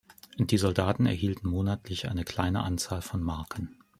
Die Soldaten erhielten monatlich eine kleine Anzahl von Marken.